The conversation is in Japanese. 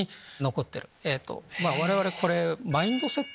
我々これ。